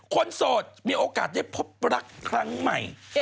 โสดมีโอกาสได้พบรักครั้งใหม่